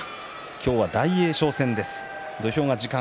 今日は大栄翔戦です。